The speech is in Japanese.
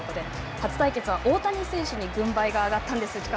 初対決は、大谷選手に軍配が上がったんです